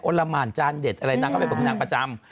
โอลาม่านจานเด็ดนางก็เป็นคุณนางประจำ